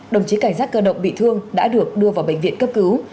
đồng chí cảnh sát cơ động bị thương đã được đưa vào bệnh viện cấp cứu